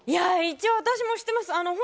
一応、私もしてます。